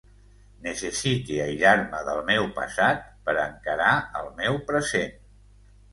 Necessite aïllar-me del meu passat per a encarar el meu present.